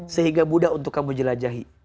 sehingga mudah untuk kamu jelajahi